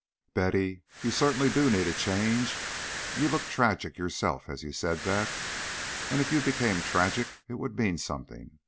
"Betty, you certainly do need a change. You looked tragic yourself as you said that; and if you became tragic it would mean something.